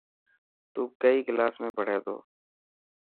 تون ڪئي ڪلاس ۾ پڙهي ٿو.